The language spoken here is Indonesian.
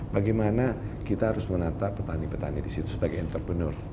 bagaimana kita harus menata petani petani disitu sebagai entrepreneur